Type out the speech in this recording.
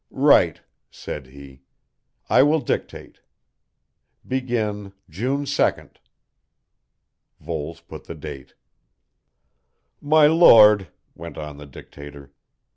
"Write," said he. "I will dictate. Begin June 2nd." Voles put the date. "'My Lord,'" went on the dictator.